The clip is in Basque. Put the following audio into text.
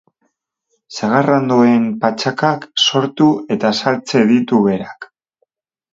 Sagarrondoen patxakak sortu eta saltze ditu berak.